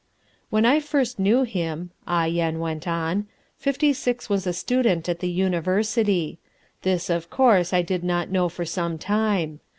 "When I first knew him," Ah Yen went on, "Fifty Six was a student at the university. This, of course, I did not know for some time.